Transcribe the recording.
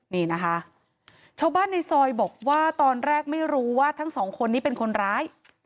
นี่นะคะชาวบ้านในซอยบอกว่าตอนแรกไม่รู้ว่าทั้งสองคนนี้เป็นคนร้าย